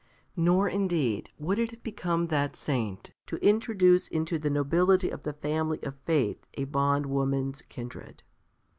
Nor indeed would it have become that Saint to introduce into the nobility of the family of Faith a bond woman's kindred.